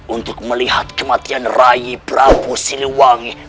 untuk melihat kematian rai prabu siluwangi